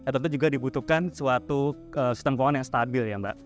tentu juga dibutuhkan suatu sistem keuangan yang stabil ya mbak